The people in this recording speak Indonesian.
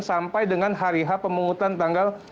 sampai dengan hari ha pemutak tanggal